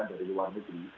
dari luar negeri